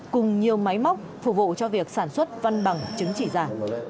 cùng nhiều máy móc phục vụ cho việc sản xuất văn bằng chứng chỉ giả